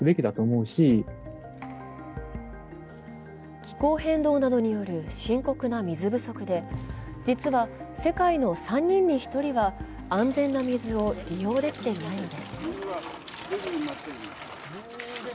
気候変動などによる深刻な水不足で実は世界の３人に１人は安全な水を利用できていないのです。